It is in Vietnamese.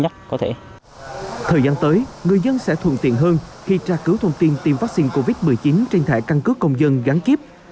thời gian tới người dân sẽ thuận tiện hơn khi tra cứu thông tin tiêm vaccine covid một mươi chín trên thẻ căn cước công dân gắn kíp